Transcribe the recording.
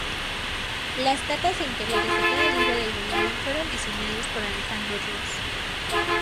Las tapas e interiores de cada libro del volumen fueron diseñados por Alejandro Ros.